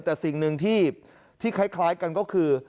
แต่สิ่งหนึ่งที่คล้ายกันก็คือ